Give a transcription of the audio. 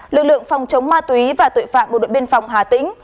lực lượng phòng chống ma túy và tội phạm bộ đội biên phòng hà tĩnh